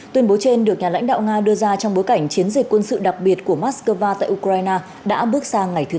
tuyên bố trên được nhà lãnh đạo nga đưa ra trong bối cảnh chiến dịch quân sự đặc biệt của moscow tại ukraine đã bước sang ngày thứ hai